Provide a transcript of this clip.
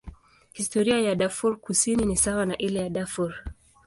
Historia ya Darfur Kusini ni sawa na ile ya Darfur.